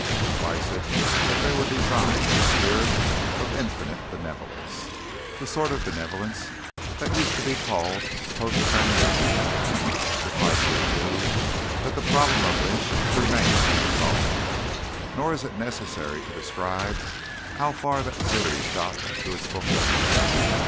Suffice it that they were designed in a spirit of infinite benevolence, the sort of benevolence that used to be called post prandial. Suffice it, too, that the problem of Winch remained unsolved. Nor is it necessary to describe how far that series got to its fulfilment.